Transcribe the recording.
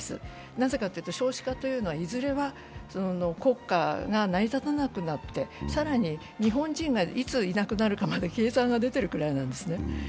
なぜかというと、少子化というのはいずれは国家が成り立たなくなって更に、日本人がいついなくなるかまで計算が出ているくらいなんですね。